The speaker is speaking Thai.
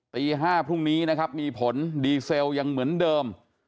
ตี๕พรุ่งนี้นะครับมีผลดีเซลยังเหมือนเดิม